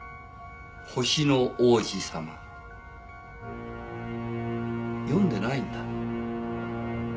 『星の王子さま』読んでないんだ。